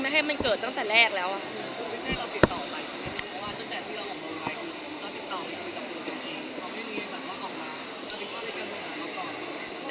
ให้มันเกิดตั้งแต่แรกแล้วอ่ะ